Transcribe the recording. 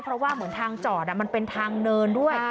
เพราะว่าเหมือนทางจอดมันเป็นทางเนินด้วย